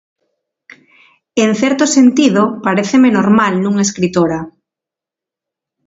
En certo sentido, paréceme normal nunha, escritora.